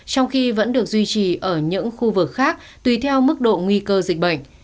trong khi vẫn được duy trì ở những khu vực khác tùy theo mức độ nguy cơ dịch bệnh